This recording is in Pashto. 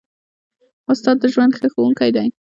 استاد د ژوند ښه ښوونکی دی.